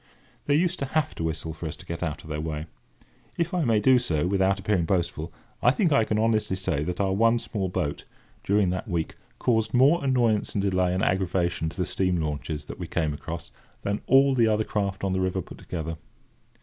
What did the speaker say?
They used to have to whistle for us to get out of their way. If I may do so, without appearing boastful, I think I can honestly say that our one small boat, during that week, caused more annoyance and delay and aggravation to the steam launches that we came across than all the other craft on the river put together.